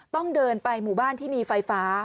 ต้องเดินไปหมู่บ้านที่มีไฟฟ้า